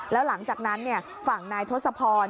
แล้วหลังจากนั้นฝั่งนายทศพร